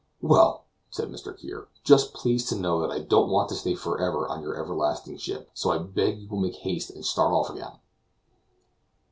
"Well," said Mr. Kear, "just please to know that I don't want to stay forever on your everlasting ship, so I beg you will make haste and start off again."